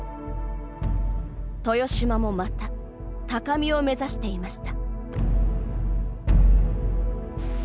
豊島もまた高みを目指していました。